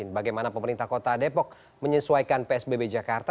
bagaimana pemerintah kota depok menyesuaikan psbb jakarta